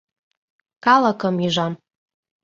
Калыкым ӱжам!..